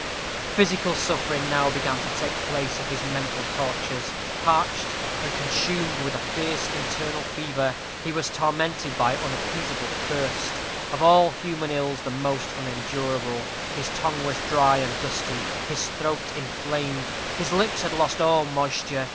Physical suffering now began to take the place of his mental tortures. Parched and consumed with a fierce internal fever, he was tormented by unappeasable thirst of all human ills the most unendurable. His tongue was dry and dusty, his throat inflamed; his lips had lost all moisture.